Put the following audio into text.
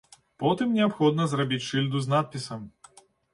Потым неабходна зрабіць шыльду з надпісам.